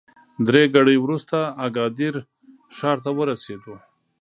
درې ګړۍ وروسته اګادیر ښار ته ورسېدو.